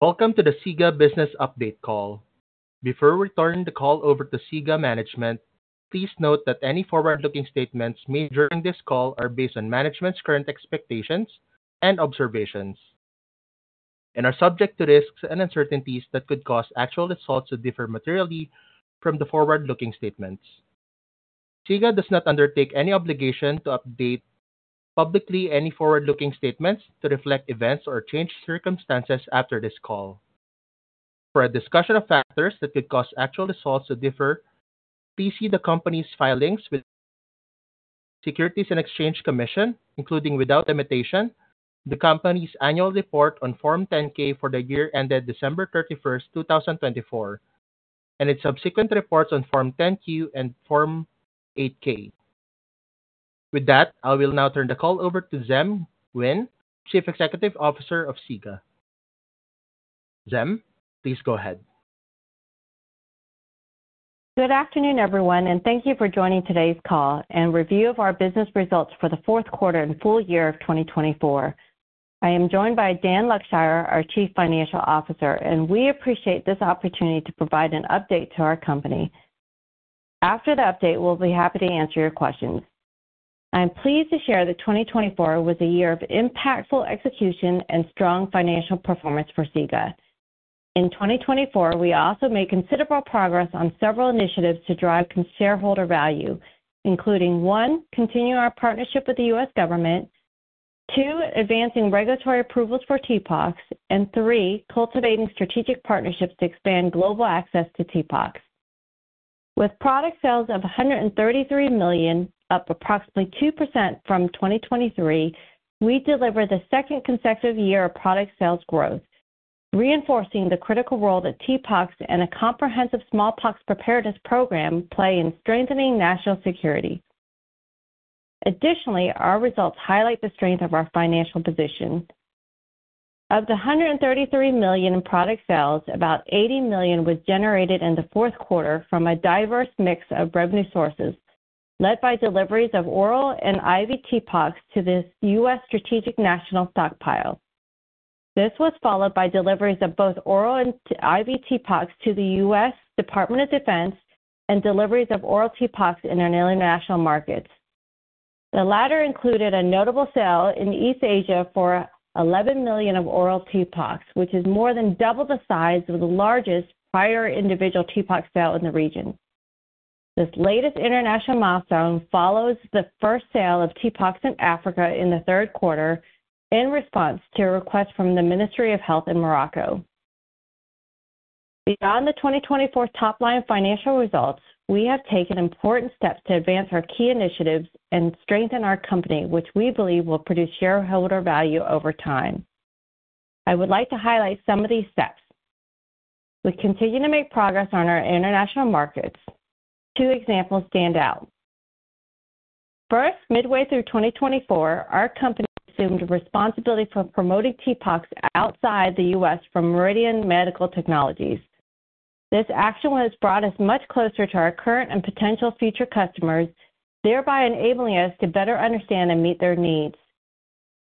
Welcome to the SIGA Business Update call. Before we turn the call over to SIGA Management, please note that any forward-looking statements made during this call are based on management's current expectations and observations, and are subject to risks and uncertainties that could cause actual results to differ materially from the forward-looking statements. SIGA does not undertake any obligation to update publicly any forward-looking statements to reflect events or change circumstances after this call. For a discussion of factors that could cause actual results to differ, please see the company's filings with the Securities and Exchange Commission, including without limitation, the company's annual report on Form 10-K for the year ended 31 December 2024, and its subsequent reports on Form 10-Q and Form 8-K. With that, I will now turn the call over to Diem Nguyen, Chief Executive Officer of SIGA. Diem, please go ahead. Good afternoon, everyone, and thank you for joining today's call and review of our business results for the Q4 and full year of 2024. I am joined by Dan Luckshire, our Chief Financial Officer, and we appreciate this opportunity to provide an update to our company. After the update, we'll be happy to answer your questions. I'm pleased to share that 2024 was a year of impactful execution and strong financial performance for SIGA. In 2024, we also made considerable progress on several initiatives to drive shareholder value, including: one, continuing our partnership with the U.S. government; two, advancing regulatory approvals for TPOXX; and three, cultivating strategic partnerships to expand global access to TPOXX. With product sales of $133 million, up approximately 2% from 2023, we delivered the second consecutive year of product sales growth, reinforcing the critical role that TPOXX and a comprehensive smallpox preparedness program play in strengthening national security. Additionally, our results highlight the strength of our financial position. Of the $133 million in product sales, about $80 million was generated in the Q4 from a diverse mix of revenue sources, led by deliveries of oral and IV TPOXX to the U.S. Strategic National Stockpile. This was followed by deliveries of both oral and IV TPOXX to the U.S. Department of Defense and deliveries of oral TPOXX in our international markets. The latter included a notable sale in East Asia for $11 million of oral TPOXX, which is more than double the size of the largest prior individual TPOXX sale in the region. This latest international milestone follows the first sale of TPOXX in Africa in the Q3, in response to a request from the Ministry of Health in Morocco. Beyond the 2024 top-line financial results, we have taken important steps to advance our key initiatives and strengthen our company, which we believe will produce shareholder value over time. I would like to highlight some of these steps. We continue to make progress on our international markets. Two examples stand out. First, midway through 2024, our company assumed responsibility for promoting TPOXX outside the U.S. from Meridian Medical Technologies. This action has brought us much closer to our current and potential future customers, thereby enabling us to better understand and meet their needs.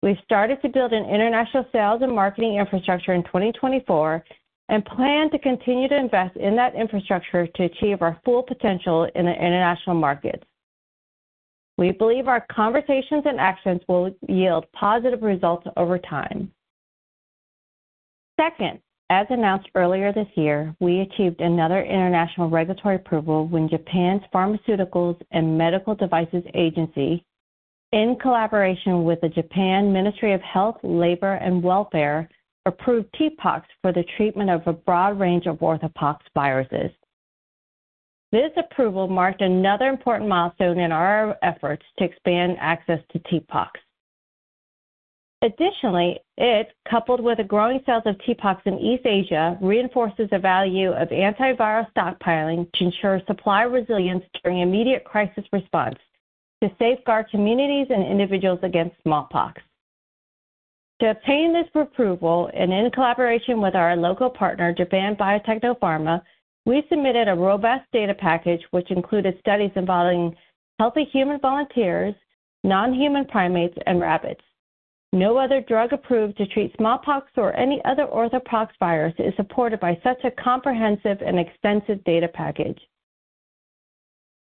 We've started to build an international sales and marketing infrastructure in 2024 and plan to continue to invest in that infrastructure to achieve our full potential in the international markets. We believe our conversations and actions will yield positive results over time. Second, as announced earlier this year, we achieved another international regulatory approval when Japan's Pharmaceuticals and Medical Devices Agency, in collaboration with the Japan Ministry of Health, Labour and Welfare approved TPOXX for the treatment of a broad range of orthopox viruses. This approval marked another important milestone in our efforts to expand access to TPOXX. Additionally, it, coupled with the growing sales of TPOXX in East Asia, reinforces the value of antiviral stockpiling to ensure supply resilience during immediate crisis response, to safeguard communities and individuals against smallpox. To obtain this approval, and in collaboration with our local partner, Japan Biotechno Pharma, we submitted a robust data package, which included studies involving healthy human volunteers, non-human primates, and rabbits. No other drug approved to treat smallpox or any other orthopox virus is supported by such a comprehensive and extensive data package.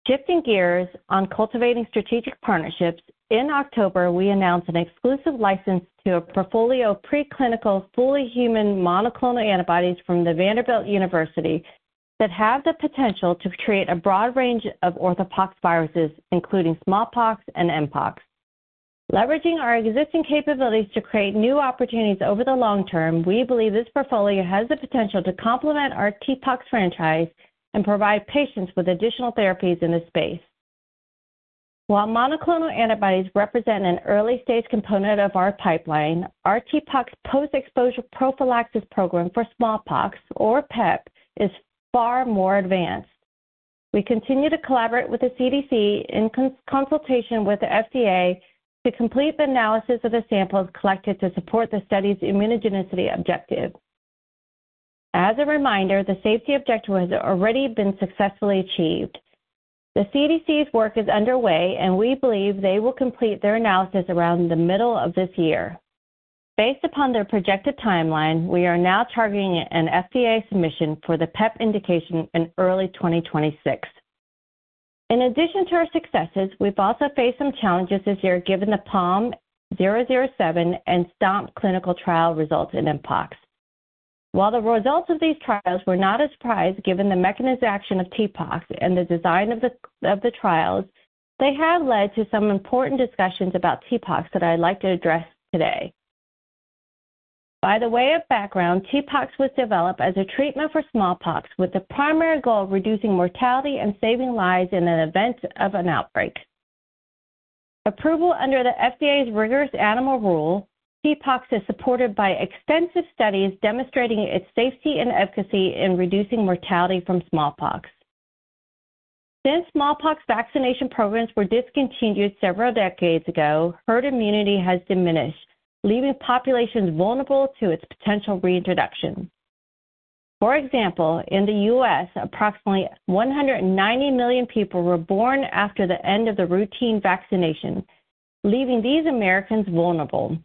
Shifting gears on cultivating strategic partnerships, in October, we announced an exclusive license to a portfolio of preclinical fully human monoclonal antibodies from Vanderbilt University that have the potential to create a broad range of orthopox viruses, including smallpox and mpox. Leveraging our existing capabilities to create new opportunities over the long term, we believe this portfolio has the potential to complement our TPOXX franchise and provide patients with additional therapies in this space. While monoclonal antibodies represent an early-stage component of our pipeline, our TPOXX post-exposure prophylaxis program for smallpox, or PEP, is far more advanced. We continue to collaborate with the CDC in consultation with the FDA to complete the analysis of the samples collected to support the study's immunogenicity objective. As a reminder, the safety objective has already been successfully achieved. The CDC's work is underway, and we believe they will complete their analysis around the middle of this year. Based upon their projected timeline, we are now targeting an FDA submission for the PEP indication in early 2026. In addition to our successes, we've also faced some challenges this year given the PALM-007 and STOMP clinical trial results in mpox. While the results of these trials were not a surprise given the mechanism of action of TPOXX and the design of the trials, they have led to some important discussions about TPOXX that I'd like to address today. By the way of background, TPOXX was developed as a treatment for smallpox with the primary goal of reducing mortality and saving lives in the event of an outbreak. Approval under the FDA's rigorous Animal Rule, TPOXX is supported by extensive studies demonstrating its safety and efficacy in reducing mortality from smallpox. Since smallpox vaccination programs were discontinued several decades ago, herd immunity has diminished, leaving populations vulnerable to its potential reintroduction. For example, in the U.S., approximately 190 million people were born after the end of the routine vaccination, leaving these Americans vulnerable.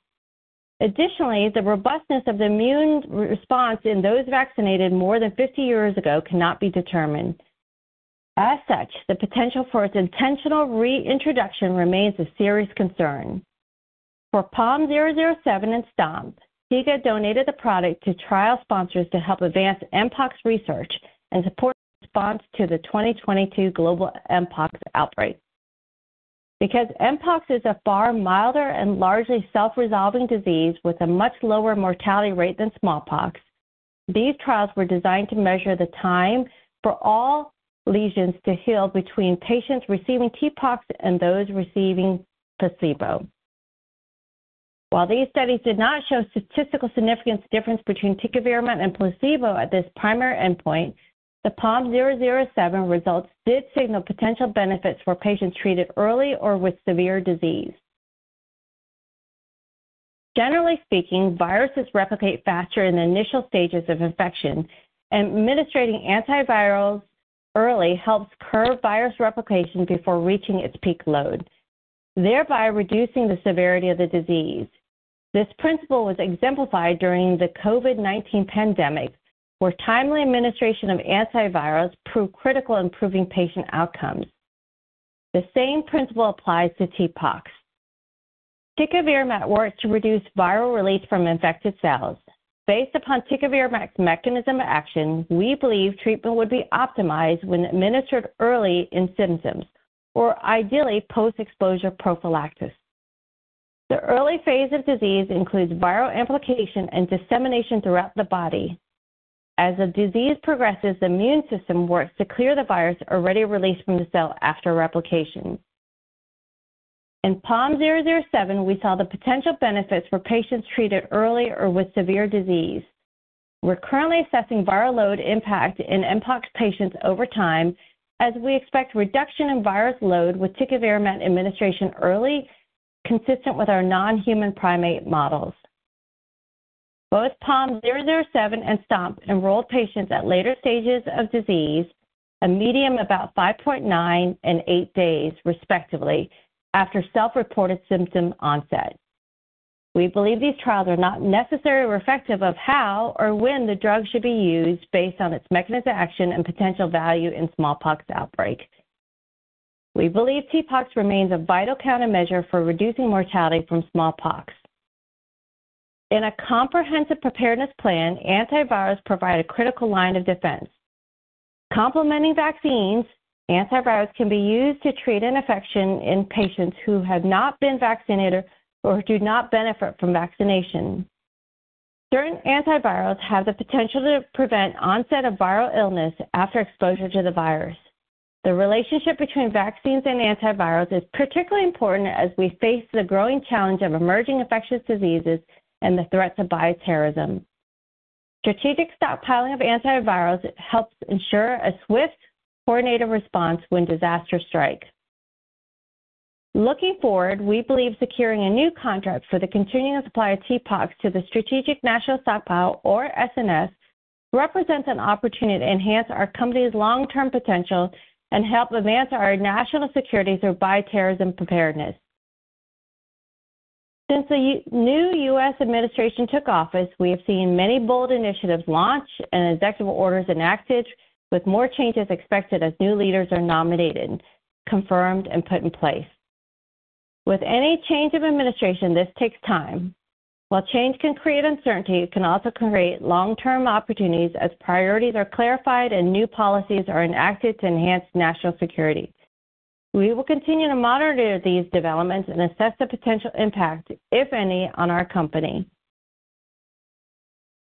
Additionally, the robustness of the immune response in those vaccinated more than 50 years ago cannot be determined. As such, the potential for its intentional reintroduction remains a serious concern. For PALM-007 and STOMP, SIGA donated the product to trial sponsors to help advance mpox research and support the response to the 2022 global mpox outbreak. Because mpox is a far milder and largely self-resolving disease with a much lower mortality rate than smallpox, these trials were designed to measure the time for all lesions to heal between patients receiving TPOXX and those receiving placebo. While these studies did not show statistical significance difference between TPOXX and placebo at this primary endpoint, the PALM-007 results did signal potential benefits for patients treated early or with severe disease. Generally speaking, viruses replicate faster in the initial stages of infection, and administering antivirals early helps curb virus replication before reaching its peak load, thereby reducing the severity of the disease. This principle was exemplified during the COVID-19 pandemic, where timely administration of antivirals proved critical in improving patient outcomes. The same principle applies to TPOXX. Tecovirimat works to reduce viral release from infected cells. Based upon tecovirimat's mechanism of action, we believe treatment would be optimized when administered early in symptoms, or ideally post-exposure prophylaxis. The early phase of disease includes viral implication and dissemination throughout the body. As the disease progresses, the immune system works to clear the virus already released from the cell after replication. In PALM-007, we saw the potential benefits for patients treated early or with severe disease. We're currently assessing viral load impact in mpox patients over time, as we expect reduction in virus load with tecovirimat administration early, consistent with our non-human primate models. Both PALM-007 and STOMP enrolled patients at later stages of disease, a median about 5.9 and 8 days, respectively, after self-reported symptom onset. We believe these trials are not necessarily reflective of how or when the drug should be used, based on its mechanism of action and potential value in smallpox outbreaks. We believe TPOXX remains a vital countermeasure for reducing mortality from smallpox. In a comprehensive preparedness plan, antivirals provide a critical line of defense. Complementing vaccines, antivirals can be used to treat an infection in patients who have not been vaccinated or do not benefit from vaccination. Certain antivirals have the potential to prevent onset of viral illness after exposure to the virus. The relationship between vaccines and antivirals is particularly important as we face the growing challenge of emerging infectious diseases and the threat of bioterrorism. Strategic stockpiling of antivirals helps ensure a swift, coordinated response when disasters strike. Looking forward, we believe securing a new contract for the continuing supply of TPOXX to the Strategic National Stockpile, or SNS, represents an opportunity to enhance our company's long-term potential and help advance our national security through bioterrorism preparedness. Since the new U.S. administration took office, we have seen many bold initiatives launched and executive orders enacted, with more changes expected as new leaders are nominated, confirmed, and put in place. With any change of administration, this takes time. While change can create uncertainty, it can also create long-term opportunities as priorities are clarified and new policies are enacted to enhance national security. We will continue to monitor these developments and assess the potential impact, if any, on our company.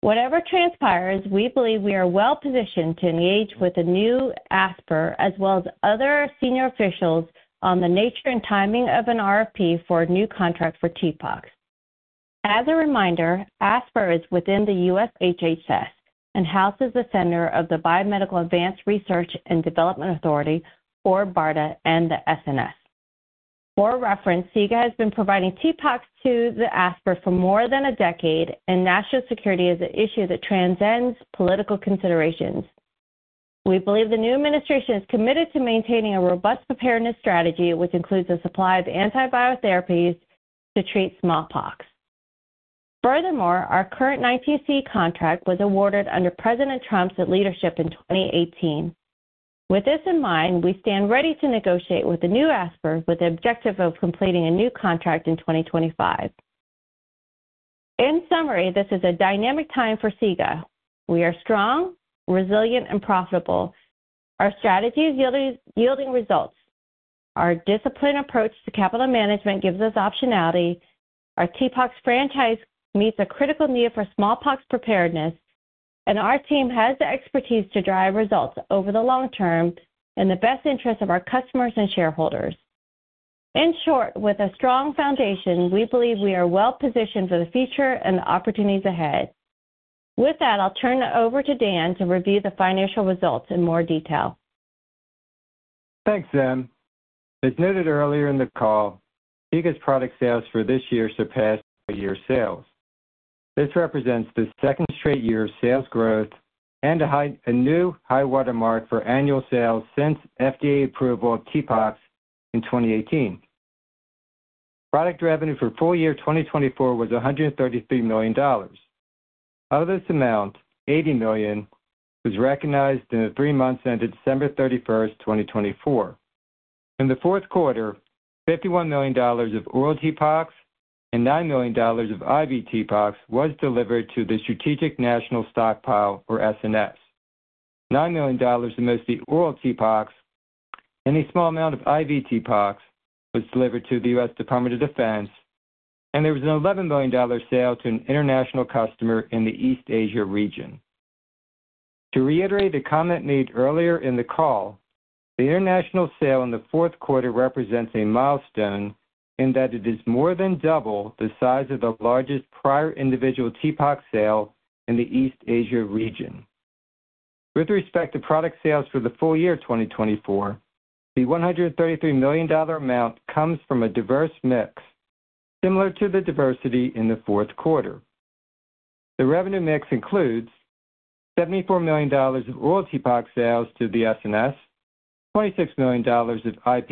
Whatever transpires, we believe we are well-positioned to engage with the new ASPR, as well as other senior officials, on the nature and timing of an RFP for a new contract for TPOXX. As a reminder, ASPR is within the U.S. HHS and houses the Biomedical Advanced Research and Development Authority, or BARDA, and the SNS. For reference, SIGA has been providing TPOXX to the ASPR for more than a decade, and national security is an issue that transcends political considerations. We believe the new administration is committed to maintaining a robust preparedness strategy, which includes the supply of antiviral therapies to treat smallpox. Furthermore, our current 19C contract was awarded under President Trump's leadership in 2018. With this in mind, we stand ready to negotiate with the new ASPR with the objective of completing a new contract in 2025. In summary, this is a dynamic time for SIGA. We are strong, resilient, and profitable. Our strategy is yielding results. Our disciplined approach to capital management gives us optionality. Our TPOXX franchise meets a critical need for smallpox preparedness, and our team has the expertise to drive results over the long term in the best interest of our customers and shareholders. In short, with a strong foundation, we believe we are well-positioned for the future and the opportunities ahead. With that, I'll turn it over to Dan to review the financial results in more detail. Thanks, Diem. As noted earlier in the call, SIGA's product sales for this year surpassed prior year sales. This represents the second straight year of sales growth and a new high watermark for annual sales since FDA approval of TPOXX in 2018. Product revenue for full year 2024 was $133 million. Of this amount, $80 million was recognized in the three months ended December 31, 2024. In the Q4, $51 million of oral TPOXX and $9 million of IV TPOXX was delivered to the Strategic National Stockpile, or SNS. $9 million amongst the oral TPOXX and a small amount of IV TPOXX was delivered to the U.S. Department of Defense, and there was an $11 million sale to an international customer in the East Asia region. To reiterate the comment made earlier in the call, the international sale in the Q4 represents a milestone in that it is more than double the size of the largest prior individual TPOXX sale in the East Asia region. With respect to product sales for the full year 2024, the $133 million amount comes from a diverse mix, similar to the diversity in the Q4. The revenue mix includes $74 million of oral TPOXX sales to the SNS, $26 million of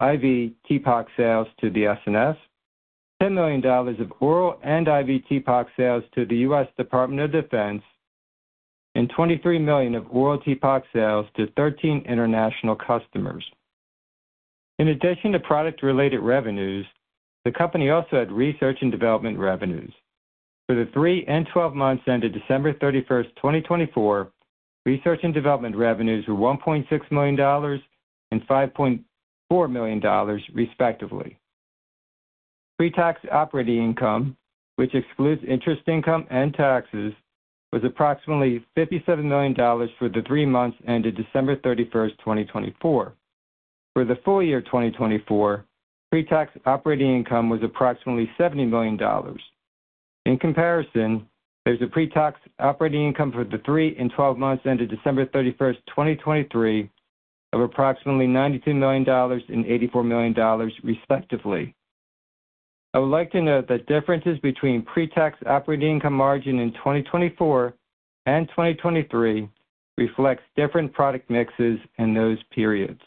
IV TPOXX sales to the SNS, $10 million of oral and IV TPOXX sales to the U.S. Department of Defense, and $23 million of oral TPOXX sales to 13 international customers. In addition to product-related revenues, the company also had research and development revenues. For the three and 12 months ended December 31, 2024, research and development revenues were $1.6 million and $5.4 million, respectively. Pre-tax operating income, which excludes interest income and taxes, was approximately $57 million for the three months ended December 31, 2024. For the full year 2024, pre-tax operating income was approximately $70 million. In comparison, there's a pre-tax operating income for the three and 12 months ended December 31, 2023, of approximately $92 million and $84 million, respectively. I would like to note that differences between pre-tax operating income margin in 2024 and 2023 reflects different product mixes in those periods.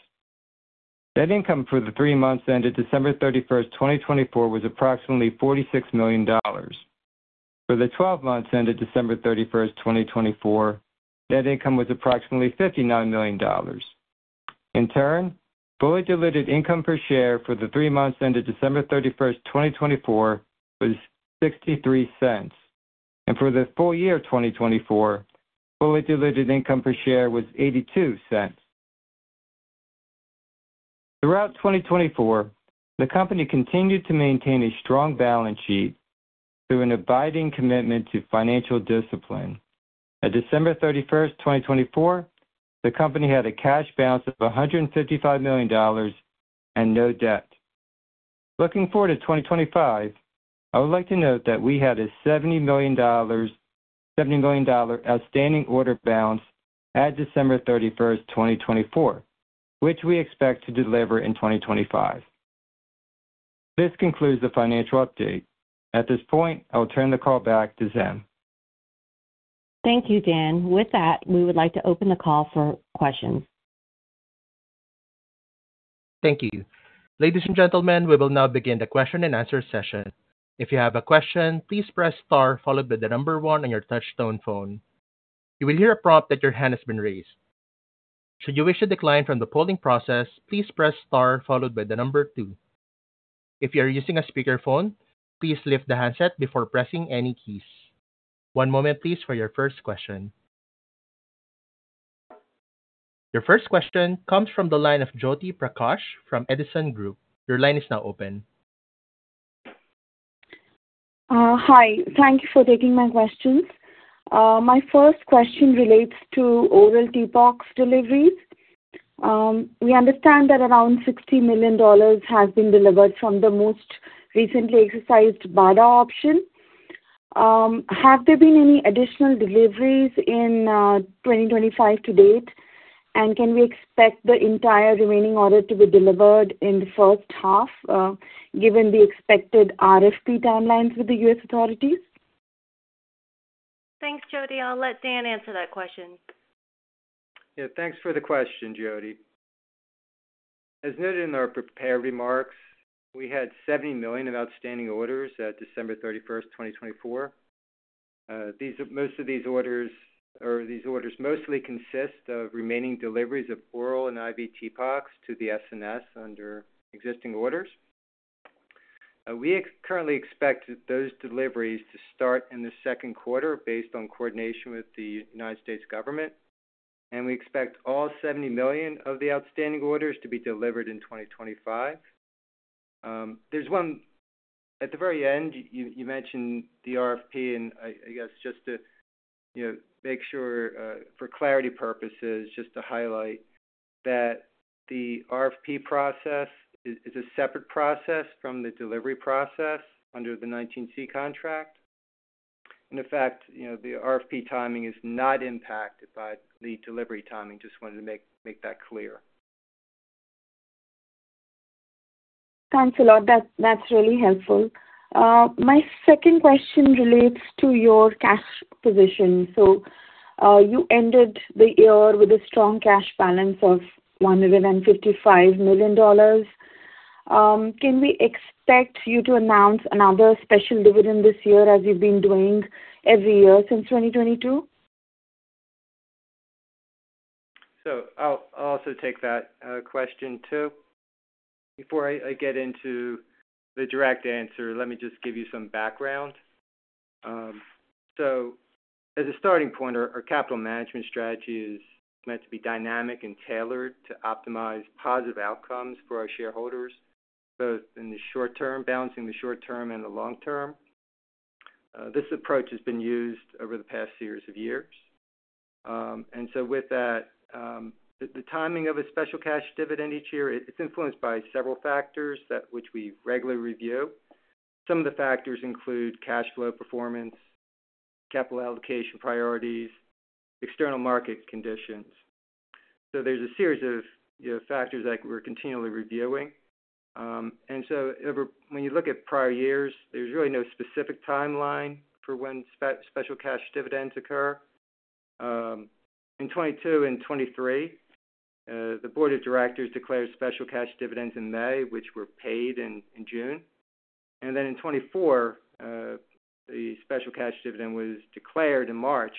Net income for the three months ended December 31, 2024, was approximately $46 million. For the 12 months ended December 31, 2024, net income was approximately $59 million. In turn, fully diluted income per share for the three months ended December 31, 2024, was $0.63. For the full year 2024, fully diluted income per share was $0.82. Throughout 2024, the company continued to maintain a strong balance sheet through an abiding commitment to financial discipline. At December 31, 2024, the company had a cash balance of $155 million and no debt. Looking forward to 2025, I would like to note that we had a $70 million outstanding order balance at December 31, 2024, which we expect to deliver in 2025. This concludes the financial update. At this point, I will turn the call back to Diem. Thank you, Dan. With that, we would like to open the call for questions. Thank you. Ladies and gentlemen, we will now begin the question and answer session. If you have a question, please press star followed by the number one on your touch-tone phone. You will hear a prompt that your hand has been raised. Should you wish to decline from the polling process, please press star followed by the number two. If you are using a speakerphone, please lift the handset before pressing any keys. One moment, please, for your first question. Your first question comes from the line of Jyoti Prakash from Edison Group. Your line is now open. Hi. Thank you for taking my questions. My first question relates to oral TPOXX deliveries. We understand that around $60 million has been delivered from the most recently exercised BARDA option. Have there been any additional deliveries in 2025 to date, and can we expect the entire remaining order to be delivered in the first half, given the expected RFP timelines with the U.S. authorities? Thanks, Jyoti. I'll let Dan answer that question. Yeah, thanks for the question, Jyoti. As noted in our prepared remarks, we had $70 million of outstanding orders at December 31, 2024. Most of these orders or these orders mostly consist of remaining deliveries of oral and IV TPOXX to the SNS under existing orders. We currently expect those deliveries to start in the Q2 based on coordination with the U.S. government, and we expect all $70 million of the outstanding orders to be delivered in 2025. There's one at the very end. You mentioned the RFP, and I guess just to make sure for clarity purposes, just to highlight that the RFP process is a separate process from the delivery process under the 19C contract. In effect, the RFP timing is not impacted by the delivery timing. Just wanted to make that clear. Thanks a lot. That's really helpful. My second question relates to your cash position. You ended the year with a strong cash balance of $155 million. Can we expect you to announce another special dividend this year, as you've been doing every year since 2022? I'll also take that question too. Before I get into the direct answer, let me just give you some background. As a starting point, our capital management strategy is meant to be dynamic and tailored to optimize positive outcomes for our shareholders, both in the short term, balancing the short term and the long term. This approach has been used over the past series of years. With that, the timing of a special cash dividend each year is influenced by several factors which we regularly review. Some of the factors include cash flow performance, capital allocation priorities, external market conditions. There is a series of factors that we are continually reviewing. When you look at prior years, there is really no specific timeline for when special cash dividends occur. In 2022 and 2023, the board of directors declared special cash dividends in May, which were paid in June. In 2024, the special cash dividend was declared in March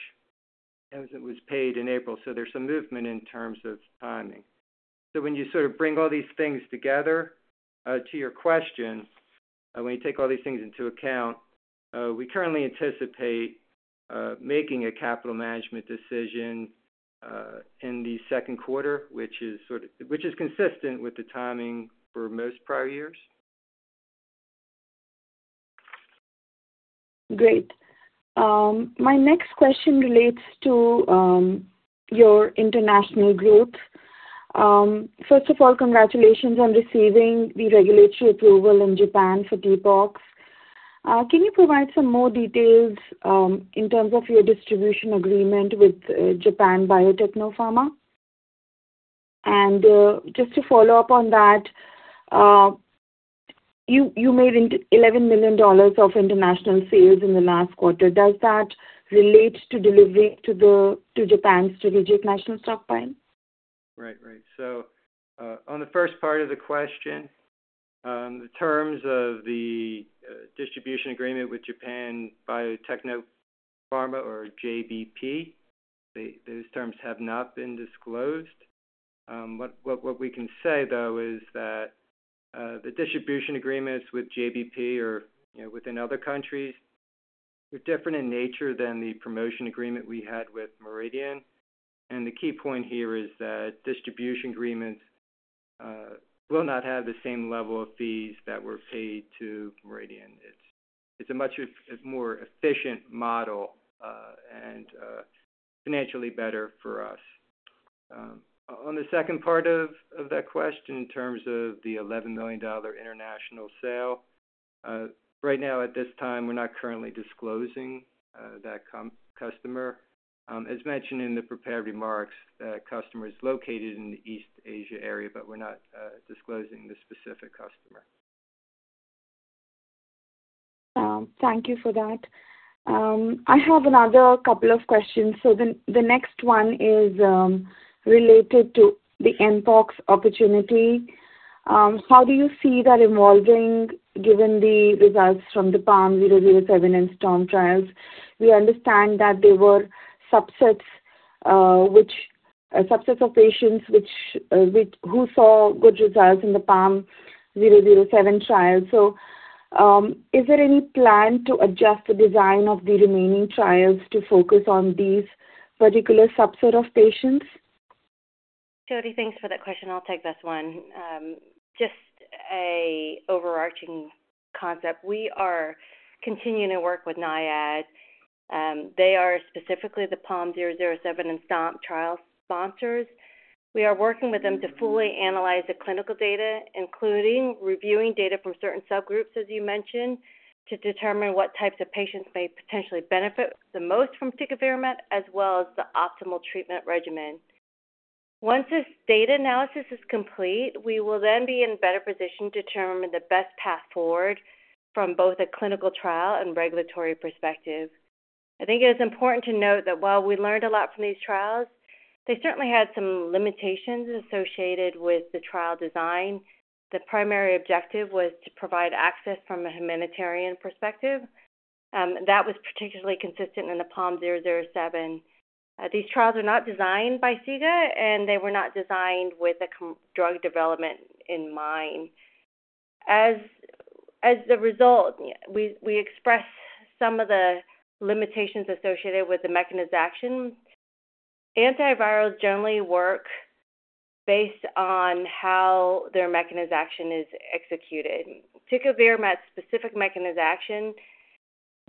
and was paid in April. There is some movement in terms of timing. When you sort of bring all these things together, to your question, when you take all these things into account, we currently anticipate making a capital management decision in the Q2, which is consistent with the timing for most prior years. Great. My next question relates to your international group. First of all, congratulations on receiving the regulatory approval in Japan for TPOXX. Can you provide some more details in terms of your distribution agreement with Japan Biotechno Pharma? Just to follow up on that, you made $11 million of international sales in the last quarter. Does that relate to delivery to Japan's strategic national stockpile? Right, right. On the first part of the question, in terms of the distribution agreement with Japan Biotechno Pharma, or JBP, those terms have not been disclosed. What we can say, though, is that the distribution agreements with JBP or within other countries are different in nature than the promotion agreement we had with Meridian. The key point here is that distribution agreements will not have the same level of fees that were paid to Meridian. It's a much more efficient model and financially better for us. On the second part of that question, in terms of the $11 million international sale, right now, at this time, we're not currently disclosing that customer. As mentioned in the prepared remarks, that customer is located in the East Asia area, but we're not disclosing the specific customer. Thank you for that. I have another couple of questions. The next one is related to the mpox opportunity. How do you see that evolving given the results from the PALM-007 and STOMP trials? We understand that there were subsets of patients who saw good results in the PALM-007 trial. Is there any plan to adjust the design of the remaining trials to focus on these particular subsets of patients? Jyoti, thanks for that question. I'll take this one. Just an overarching concept. We are continuing to work with NIAID. They are specifically the PALM-007 and STOMP trial sponsors. We are working with them to fully analyze the clinical data, including reviewing data from certain subgroups, as you mentioned, to determine what types of patients may potentially benefit the most from TPOXX, as well as the optimal treatment regimen. Once this data analysis is complete, we will then be in a better position to determine the best path forward from both a clinical trial and regulatory perspective. I think it is important to note that while we learned a lot from these trials, they certainly had some limitations associated with the trial design. The primary objective was to provide access from a humanitarian perspective. That was particularly consistent in the PALM-007. These trials were not designed by SIGA, and they were not designed with a drug development in mind. As a result, we express some of the limitations associated with the mechanism of action. Antivirals generally work based on how their mechanism of action is executed. TPOXX's specific mechanism of action,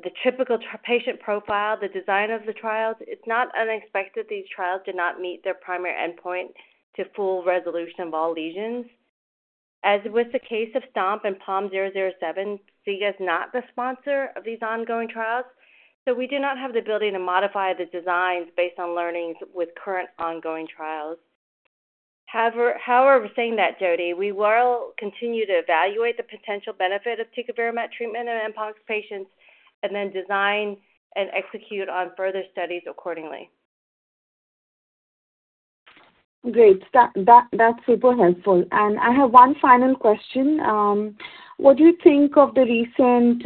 the typical patient profile, the design of the trials, it's not unexpected these trials do not meet their primary endpoint to full resolution of all lesions. As with the case of STOMP and PALM-007, SIGA is not the sponsor of these ongoing trials, so we do not have the ability to modify the designs based on learnings with current ongoing trials. However, saying that, Jyoti, we will continue to evaluate the potential benefit of TPOXX treatment in mpox patients and then design and execute on further studies accordingly. Great. That's super helpful. I have one final question. What do you think of the recent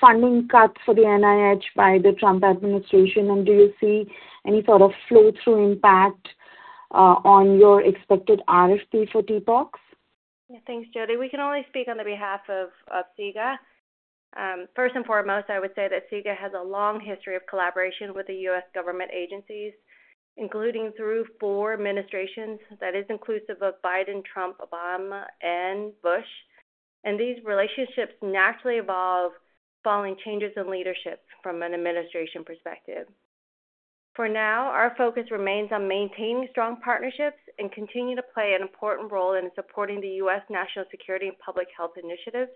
funding cuts for the NIH by the Trump administration? Do you see any sort of flow-through impact on your expected RFP for TPOXX? Yeah, thanks, Jyoti. We can only speak on the behalf of SIGA. First and foremost, I would say that SIGA has a long history of collaboration with U.S. government agencies, including through four administrations. That is inclusive of Biden, Trump, Obama, and Bush. These relationships naturally evolve following changes in leadership from an administration perspective. For now, our focus remains on maintaining strong partnerships and continuing to play an important role in supporting the U.S. national security and public health initiatives.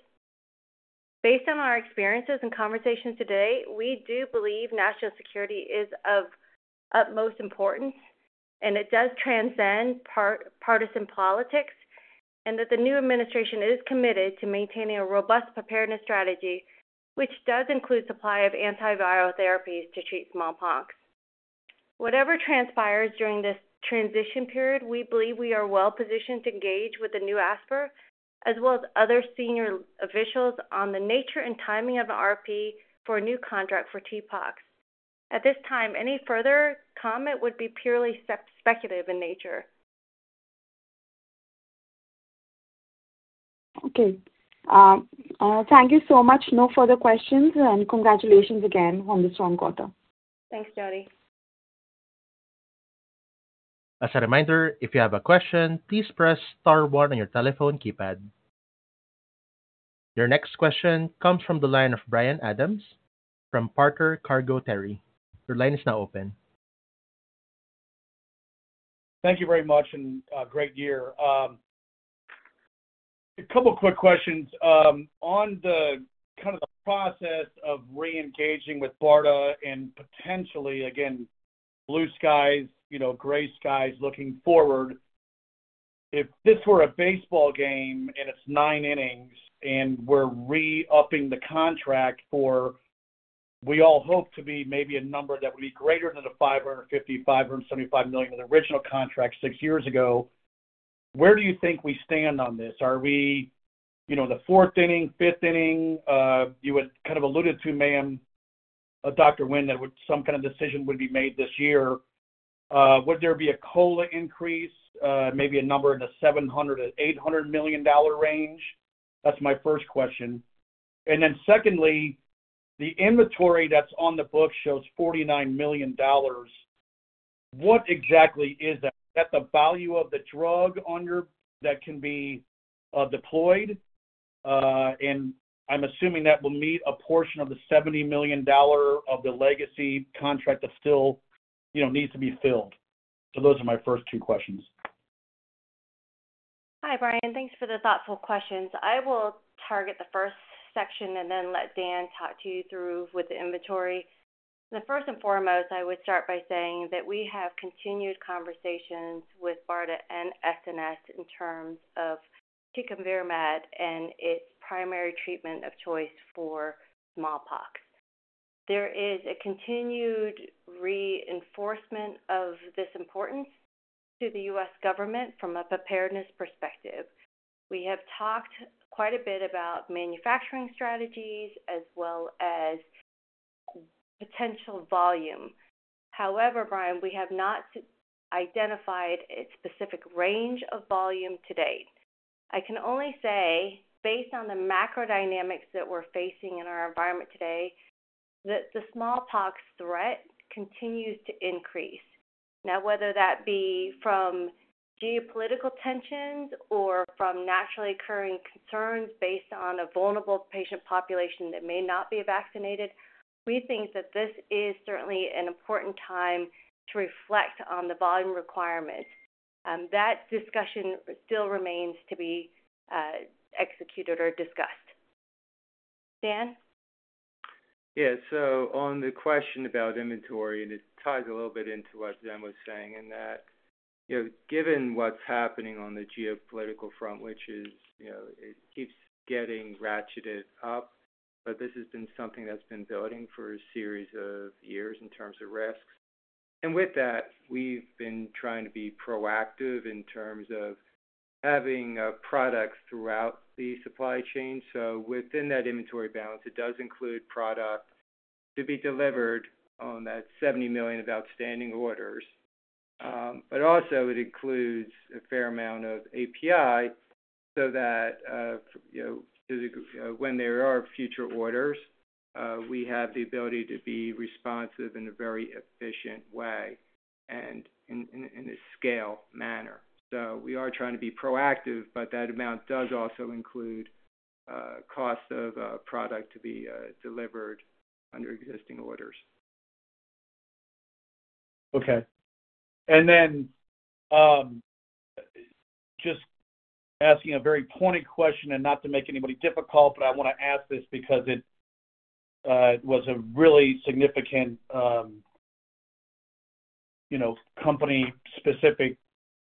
Based on our experiences and conversations today, we do believe national security is of utmost importance, and it does transcend partisan politics, and that the new administration is committed to maintaining a robust preparedness strategy, which does include supply of antiviral therapies to treat smallpox. Whatever transpires during this transition period, we believe we are well-positioned to engage with the new ASPR, as well as other senior officials, on the nature and timing of an RFP for a new contract for TPOXX. At this time, any further comment would be purely speculative in nature. Thank you so much. No further questions. And congratulations again on the strong quarter. Thanks, Jyoti. As a reminder, if you have a question, please press star one on your telephone keypad. Your next question comes from the line of Brian Adams from Parker Cargo Terry. Your line is now open. Thank you very much. Great year. A couple of quick questions. On kind of the process of re-engaging with BARDA and potentially, again, blue skies, gray skies looking forward, if this were a baseball game and it's nine innings and we're re-upping the contract for, we all hope to be maybe a number that would be greater than the $550 million, $575 million of the original contract six years ago, where do you think we stand on this? Are we the fourth inning, fifth inning? You had kind of alluded to, ma'am, Dr. Nguyen, that some kind of decision would be made this year. Would there be a COLA increase, maybe a number in the $700 million-$800 million range? That's my first question. Secondly, the inventory that's on the book shows $49 million. What exactly is that? Is that the value of the drug on your that can be deployed? I'm assuming that will meet a portion of the $70 million of the legacy contract that still needs to be filled. Those are my first two questions. Hi, Brian. Thanks for the thoughtful questions. I will target the first section and let Dan talk you through the inventory. First and foremost, I would start by saying that we have continued conversations with BARDA and SNS in terms of TPOXX and its primary treatment of choice for smallpox. There is a continued reinforcement of this importance to the U.S. government from a preparedness perspective. We have talked quite a bit about manufacturing strategies as well as potential volume. However, Brian, we have not identified a specific range of volume to date. I can only say, based on the macro dynamics that we're facing in our environment today, that the smallpox threat continues to increase. Now, whether that be from geopolitical tensions or from naturally occurring concerns based on a vulnerable patient population that may not be vaccinated, we think that this is certainly an important time to reflect on the volume requirements. That discussion still remains to be executed or discussed. Dan? Yeah. On the question about inventory, and it ties a little bit into what Dan was saying, in that given what's happening on the geopolitical front, which is it keeps getting ratcheted up, this has been something that's been building for a series of years in terms of risks. We have been trying to be proactive in terms of having products throughout the supply chain. Within that inventory balance, it does include product to be delivered on that $70 million of outstanding orders. It also includes a fair amount of API so that when there are future orders, we have the ability to be responsive in a very efficient way and in a scale manner. We are trying to be proactive, but that amount does also include cost of product to be delivered under existing orders. Okay. I am asking a very pointed question and not to make anybody difficult, but I want to ask this because it was a really significant company-specific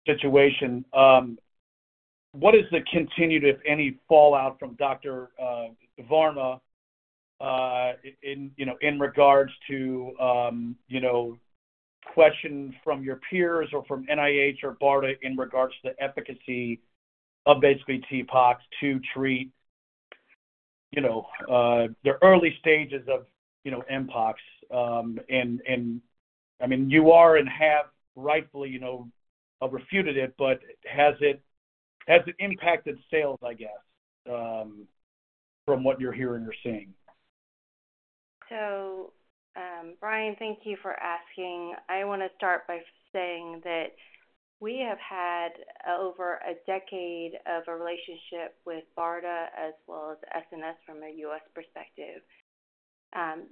situation. What is the continued, if any, fallout from Dr. Varma, in regards to questions from your peers or from NIH or BARDA in regards to the efficacy of basically TPOXX to treat the early stages of mpox? I mean, you are and have rightfully refuted it, but has it impacted sales, I guess, from what you're hearing or seeing? Brian, thank you for asking. I want to start by saying that we have had over a decade of a relationship with BARDA as well as SNS from a U.S. perspective.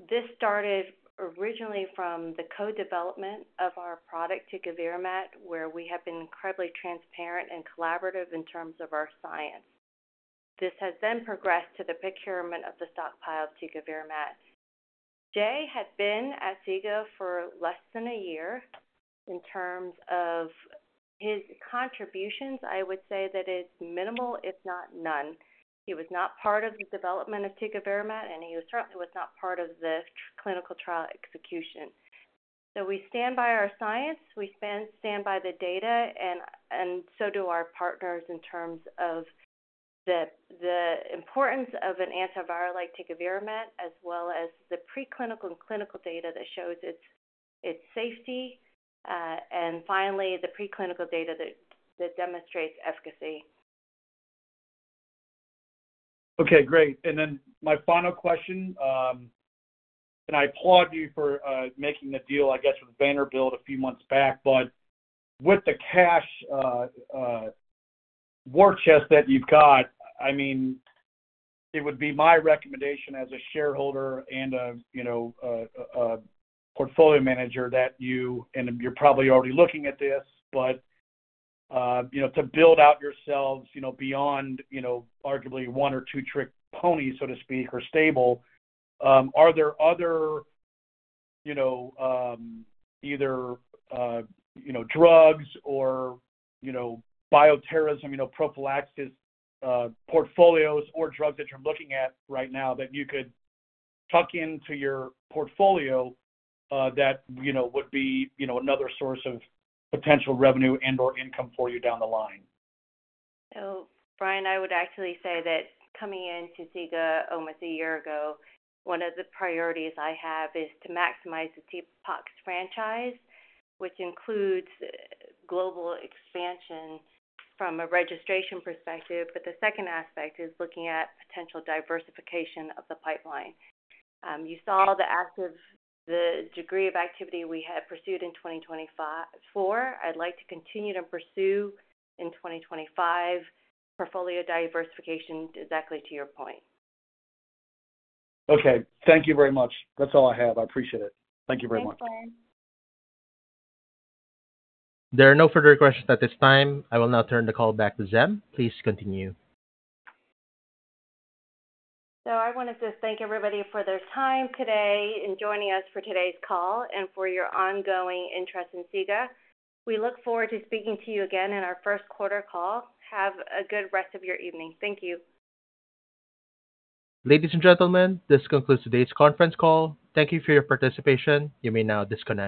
This started originally from the co-development of our product TPOXX, where we have been incredibly transparent and collaborative in terms of our science. This has then progressed to the procurement of the stockpile of TPOXX. Jay had been at SIGA for less than a year. In terms of his contributions, I would say that it's minimal, if not none. He was not part of the development of TPOXX, and he certainly was not part of the clinical trial execution. We stand by our science. We stand by the data, and so do our partners in terms of the importance of an antiviral like TPOXX, as well as the preclinical and clinical data that shows its safety, and finally, the preclinical data that demonstrates efficacy. Okay. Great. My final question. I applaud you for making the deal, I guess, with Vanderbilt a few months back. With the cash war chest that you've got, I mean, it would be my recommendation as a shareholder and a portfolio manager that you—and you're probably already looking at this—to build out yourselves beyond arguably one or two-trick pony, so to speak, or stable, are there other either drugs or bioterrorism, prophylaxis portfolios, or drugs that you're looking at right now that you could tuck into your portfolio that would be another source of potential revenue and/or income for you down the line? Brian, I would actually say that coming into SIGA almost a year ago, one of the priorities I have is to maximize the TPOXX franchise, which includes global expansion from a registration perspective. The second aspect is looking at potential diversification of the pipeline. You saw the degree of activity we had pursued in 2024. I'd like to continue to pursue in 2025 portfolio diversification, exactly to your point. Okay. Thank you very much. That's all I have. I appreciate it. Thank you very much. Thanks, Brian. There are no further questions at this time. I will now turn the call back to Diem. Please continue. I wanted to thank everybody for their time today and joining us for today's call and for your ongoing interest in SIGA. We look forward to speaking to you again in our Q1 call. Have a good rest of your evening. Thank you. Ladies and gentlemen, this concludes today's conference call. Thank you for your participation. You may now disconnect.